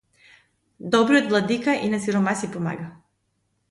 Добриот владика и на сиромаси помага.